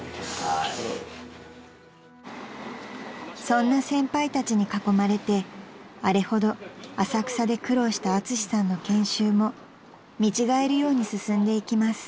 ［そんな先輩たちに囲まれてあれほど浅草で苦労したアツシさんの研修も見違えるように進んでいきます］